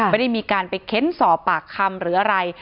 ไม่ได้มีการไปเค้นสอบปากคำหรืออะไร